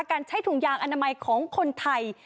การใช้ถุงยางอนามัยของคนไทย